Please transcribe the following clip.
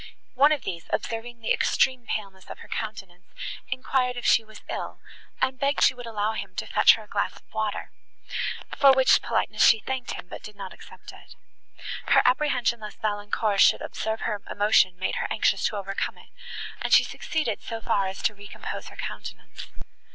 One of these, observing the extreme paleness of her countenance, enquired if she was ill, and begged she would allow him to fetch her a glass of water, for which politeness she thanked him, but did not accept it. Her apprehension lest Valancourt should observe her emotion made her anxious to overcome it, and she succeeded so far as to recompose her countenance.